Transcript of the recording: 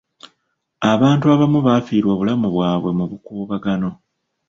Abantu abamu baafiirwa obulamu bwabwe mu bukuubagano.